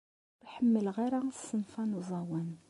Ur ḥemmleɣ ara ṣṣenf-a n uẓawan.